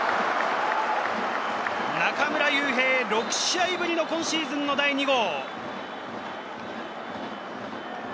中村悠平、６試合ぶりの今シーズンの第２号！